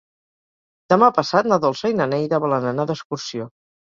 Demà passat na Dolça i na Neida volen anar d'excursió.